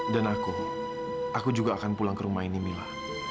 dan aku aku juga akan pulang ke rumah ini mila